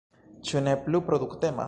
Ĉu ne plu produktema?